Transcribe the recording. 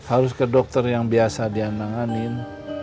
harus ke dokter yang biasa dia nanganin